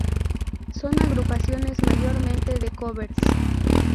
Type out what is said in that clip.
Son agrupaciones mayormente de covers.